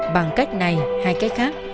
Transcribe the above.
bằng cách này hay cách khác